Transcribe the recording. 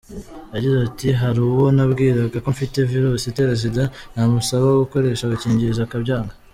Yagize ati “Hari uwo nabwiraga ko mfite Virusi itera Sida, namusaba gukoresha agakingirizo akabyanga.